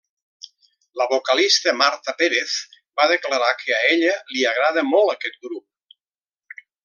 La vocalista Marta Pérez va declarar que a ella li agrada molt aquest grup.